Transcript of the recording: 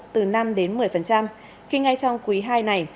từ năm một mươi khi ngay trong quý hai này